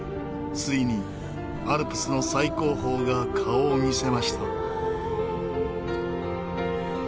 ついにアルプスの最高峰が顔を見せました。